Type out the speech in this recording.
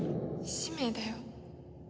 使命だよ。